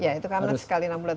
ya itu karena sekali enam bulan